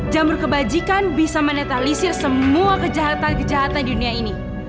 jamur kebajikan bisa menetalisir semua kejahatan kejahatan dunia ini